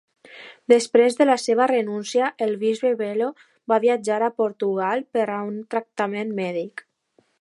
Després de la seva renúncia, el bisbe Belo va viatjar a Portugal per a un tractament mèdic.